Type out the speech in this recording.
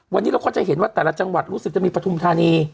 วันนี้เราก็จะเห็นว่าแต่ละจังหวัดรู้สึกจะมีปฐุมธานี